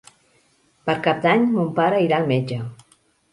Per Cap d'Any mon pare irà al metge.